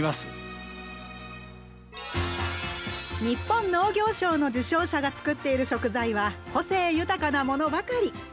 日本農業賞の受賞者がつくっている食材は個性豊かなものばかり。